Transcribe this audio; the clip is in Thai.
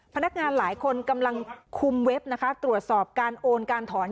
พนักงานหลายคนกำลังคุมเว็บนะคะตรวจสอบการโอนการถอน